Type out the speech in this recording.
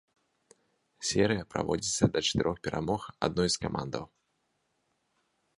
Серыя праводзіцца да чатырох перамог адной з камандаў.